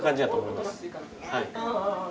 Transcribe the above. はい。